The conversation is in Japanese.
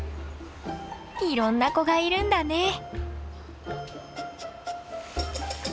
いろんな子がいるんだね。